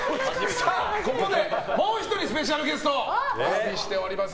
ここでもう１人スペシャルゲストをお呼びしております。